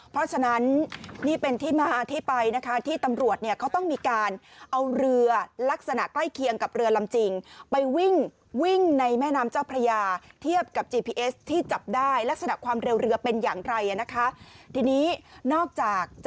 เพราะฉะนั้นนี่เป็นที่มาที่ไปนะคะที่ตำรวจ